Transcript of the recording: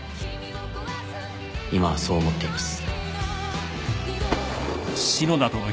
今はそう思っています